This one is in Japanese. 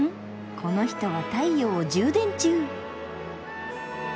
この人は太陽を充電中！